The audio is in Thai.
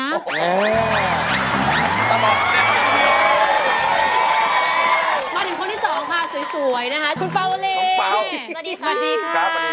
มาถึงคนที่สองค่ะสวยนะคะคุณป่าวเวอรี่